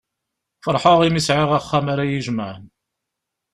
Ferḥeɣ imi sεiɣ axxam ara y-ijemεen.